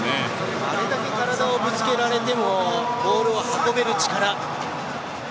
あれだけ体をぶつけられてもボールを運ぶ力。